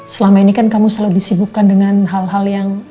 selama ini kan kamu selalu disibukkan dengan hal hal yang